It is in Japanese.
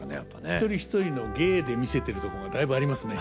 一人一人の芸で見せてるとこがだいぶありますね。